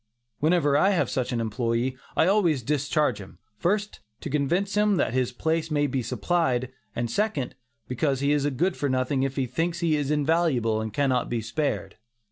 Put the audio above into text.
Whenever I have such an employee, I always discharge him; first, to convince him that his place may be supplied, and second, because he is good for nothing if he thinks he is invaluable and cannot be spared.